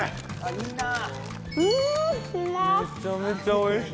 いいな・めちゃめちゃおいしい